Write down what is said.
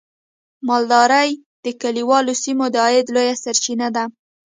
مالداري د کليوالو سیمو د عاید لویه سرچینه ده.